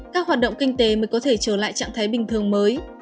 các hoạt động kinh tế mới có thể trở lại trạng thái bình thường mới